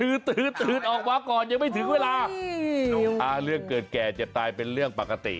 ตืดตืดตืดออกมาก่อนยังไม่ถึงเวลาโอ้ยน้องฮาเลือกเกิดแก่เจ็บตายเป็นเรื่องปกติ